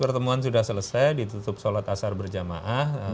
pertemuan sudah selesai ditutup sholat asar berjamaah